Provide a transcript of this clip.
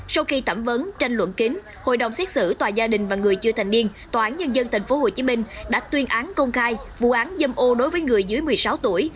sau khi thẩm vấn tranh luận kín hội đồng xét xử tòa gia đình và người chưa thành niên tòa án nhân dân tp hcm đã tuyên án công khai vụ án dâm ô đối với người dưới một mươi sáu tuổi